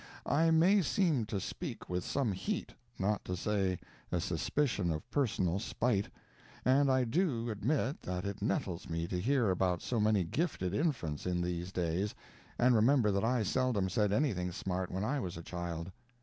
I may seem to speak with some heat, not to say a suspicion of personal spite; and I do admit that it nettles me to hear about so many gifted infants in these days, and remember that I seldom said anything smart when I was a child.